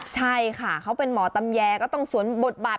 ใช่ค่ะเขาเป็นหมอตำแยก็ต้องสวนบทบาท